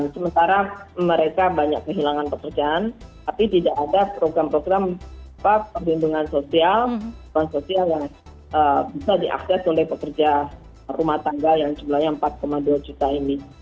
sementara mereka banyak kehilangan pekerjaan tapi tidak ada program program perlindungan sosial yang bisa diakses oleh pekerja rumah tangga yang jumlahnya empat dua juta ini